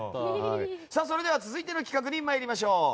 それでは続いての企画参りましょう。